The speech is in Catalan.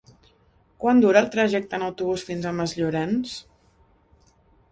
Quant dura el trajecte en autobús fins a Masllorenç?